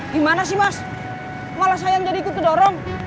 gimana sih mas malah sayang jadi ku terdorong